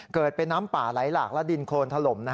เกิดเป็นน้ำป่าไหลหลากและดินโครนถล่ม